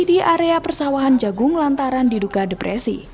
di area persawahan jagung lantaran diduka depresi